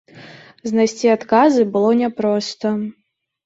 Знайсці адказы было няпроста.